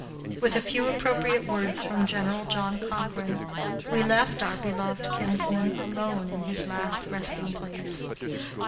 With a few appropriate words from General John Cochrane we left our beloved kinsman alone in his last resting place.